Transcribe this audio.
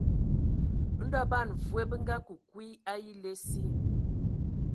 Ndɔ ban mvoe bə akə kwi a ele asi.